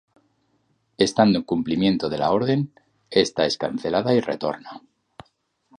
Estando en cumplimiento de la orden, esta es cancelada y retorna.